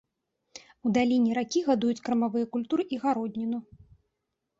У даліне ракі гадуюць кармавыя культуры і гародніну.